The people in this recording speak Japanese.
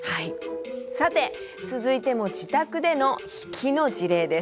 さて続いても自宅での引きの事例です。